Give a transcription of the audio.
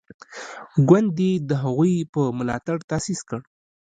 ګوند یې د هغوی په ملاتړ تاسیس کړی.